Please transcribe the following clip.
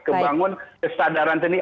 kebangun kesadaran seni